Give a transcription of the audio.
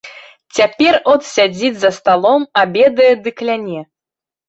Цяпер от сядзіць за сталом, абедае ды кляне.